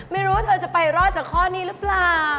ไม่รู้ว่าเธอจะไปรอดจากข้อนี้หรือเปล่า